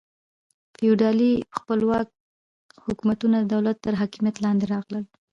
فیوډالي خپلواک حکومتونه د دولت تر حاکمیت لاندې راغلل.